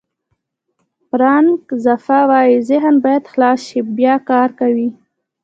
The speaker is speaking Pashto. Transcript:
فرانک زفا وایي ذهن باید خلاص شي بیا کار کوي.